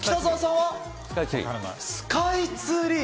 スカイツリー。